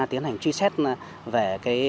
tiến hành truy xét về